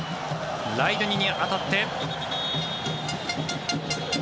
ライドゥニに当たって。